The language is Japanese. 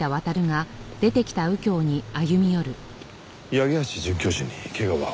八木橋准教授に怪我は？